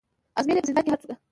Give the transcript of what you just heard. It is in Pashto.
آزمېیل یې په زندان کي هره څوکه